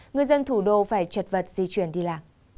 người dân thủ đô phải chật vật di chuyển đi làm